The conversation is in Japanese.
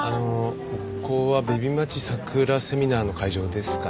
ここはベビ待ち桜セミナーの会場ですかね？